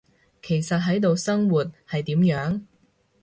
其實喺度生活，係點樣？